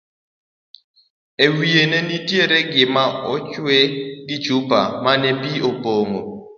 e wiye nenitie gima ochwe gi chupa mane pi opong'o